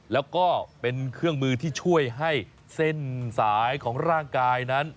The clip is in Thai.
แล้วก็เป็นเครื่องมือที่ช่วยให้เส้นสายของร่างกายนั้น